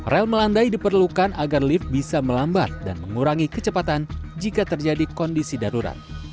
rel melandai diperlukan agar lift bisa melambat dan mengurangi kecepatan jika terjadi kondisi darurat